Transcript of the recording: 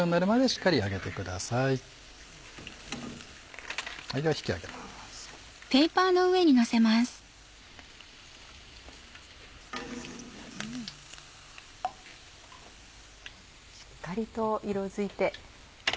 しっかりと色づいて。